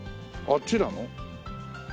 あっちなの？